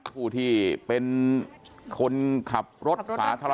ผู้ที่เป็นคนขับรถสาธารณะ